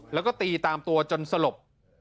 แล้วก็ตีตามตัวจนสลบ